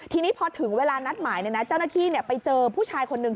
ทีนี้พอถึงเวลานัดหมายเจ้าหน้าที่ไปเจอผู้ชายคนนึง